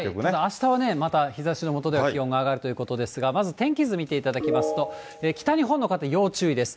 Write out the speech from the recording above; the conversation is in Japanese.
あしたはまた日ざしの下では気温が上がるということですが、まず天気図見ていただきますと、北日本の方、要注意です。